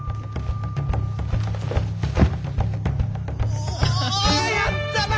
おやったな！